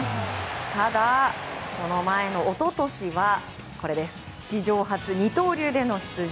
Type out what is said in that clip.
ただ、その前の一昨年は史上初、二刀流での出場。